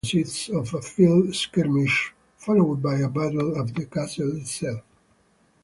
Combat consists of a field skirmish, followed by a battle at the castle itself.